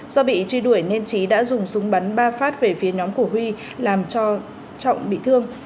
do bị truy đuổi nên trí đã dùng súng bắn ba phát về phía nhóm của huy làm cho trọng bị thương